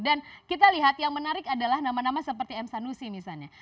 kita lihat yang menarik adalah nama nama seperti m sanusi misalnya